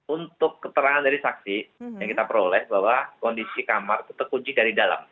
untuk keterangan dari saksi yang kita peroleh bahwa kondisi kamar itu terkunci dari dalam